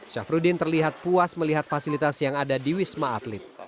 syafruddin terlihat puas melihat fasilitas yang ada di wisma atlet